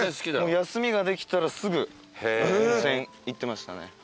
休みができたらすぐ温泉行ってましたね。